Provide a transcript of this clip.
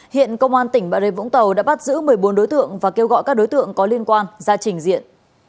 hiện công an tỉnh bà rê vũng tàu đã bắt giữ một mươi bốn đối tượng và kêu gọi các đối tượng có liên quan ra trình diện